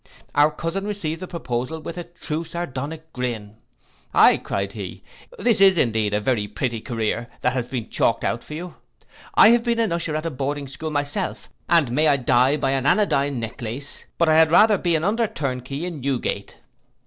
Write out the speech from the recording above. Our cousin received the proposal with a true Sardonic grin. Aye, cried he, this is indeed a very pretty career, that has been chalked out for you. I have been an usher at a boarding school myself; and may I die by an anodyne necklace, but I had rather be an under turnkey in Newgate.